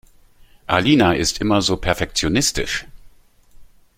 Alina ist immer so perfektionistisch.